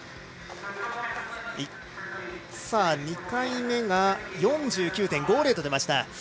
２回目が４９．５０と出ました。